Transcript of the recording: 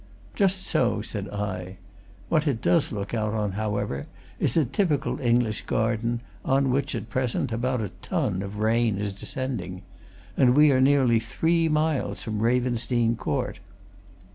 "Just so," said I. "What it does look out on, however, is a typical English garden on which, at present, about a ton of rain is descending. And we are nearly three miles from Ravensdene Court!"